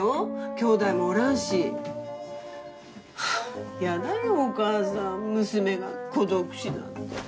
きょうだいもおらんし。はあやだよお母さん娘が孤独死なんて。